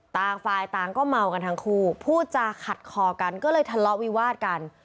ต่างฝ่ายต่างก็เมากันทั้งคู่พูดจาขัดคอกันก็เลยทะเลาะวิวาดกัน